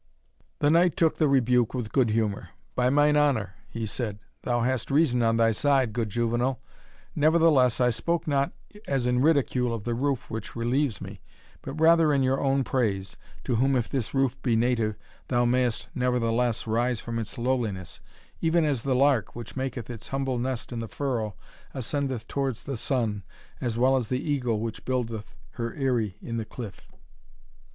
The knight took the rebuke with good humour. "By my mine honour," he said, "thou hast reason on thy side, good juvenal nevertheless, I spoke not as in ridicule of the roof which relieves me, but rather in your own praise, to whom, if this roof be native, thou mayst nevertheless rise from its lowliness; even as the lark, which maketh its humble nest in the furrow, ascendeth towards the sun, as well as the eagle which buildeth her eyry in the cliff."